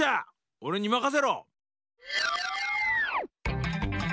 おれにまかせろ！